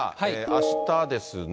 あしたですね。